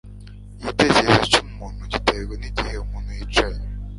Igitekerezo cyumuntu giterwa nigihe umuntu yicaye